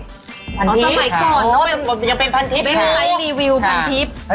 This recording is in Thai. สมัยก่อนเนอะ